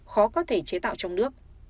khó có thể chế tạo trong nước